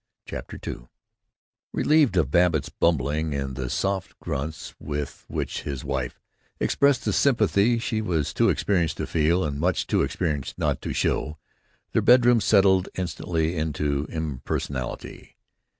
CHAPTER II I Relieved of Babbitt's bumbling and the soft grunts with which his wife expressed the sympathy she was too experienced to feel and much too experienced not to show, their bedroom settled instantly into impersonality.